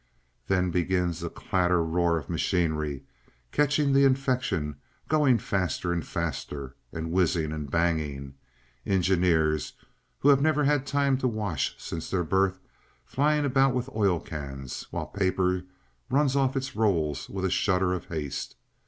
Then begins a clatter roar of machinery catching the infection, going faster and faster, and whizzing and banging,—engineers, who have never had time to wash since their birth, flying about with oil cans, while paper runs off its rolls with a shudder of haste.